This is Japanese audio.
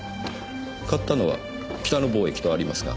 買ったのは北野貿易とありますが。